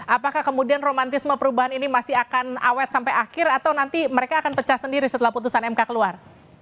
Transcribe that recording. apakah kemudian romantisme perubahan ini masih akan awet sampai akhir atau nanti mereka akan pecah sendiri setelah putusan mk keluar